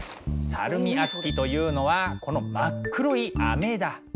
サルミアッキというのはこの真っ黒いアメだ。